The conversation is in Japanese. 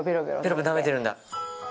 ペロペロなめてるんだ。